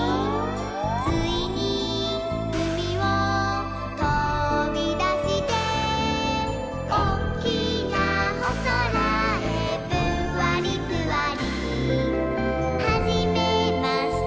「ついにうみをとびだして」「おっきなおそらへぷんわりぷわり」「はじめまして